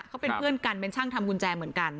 เขาเป็นเพื่อนกันเป็นช่างทำกุญแจเหมือนกัน